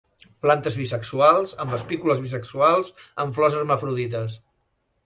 Plantes bisexuals, amb espícules bisexuals; amb flors hermafrodites.